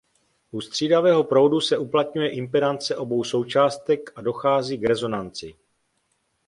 U střídavého proudu se uplatňuje impedance obou součástek a dochází k rezonanci.